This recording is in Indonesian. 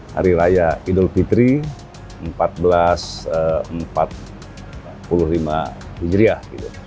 hari raya idul fitri seribu empat ratus empat puluh lima hijriah